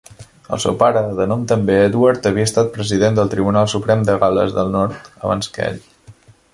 El seu pare, de nom també Edward, havia estat president del Tribunal Suprem de Gal·les del Nord abans que ell.